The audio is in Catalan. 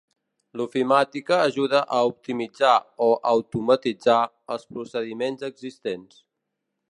L'ofimàtica ajuda a optimitzar o automatitzar els procediments existents.